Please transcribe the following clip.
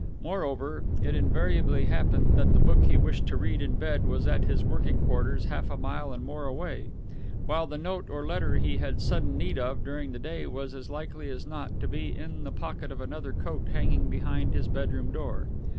Moreover, it invariably happened that the book he wished to read in bed was at his working quarters half a mile and more away, while the note or letter he had sudden need of during the day was as likely as not to be in the pocket of another coat hanging behind his bedroom door.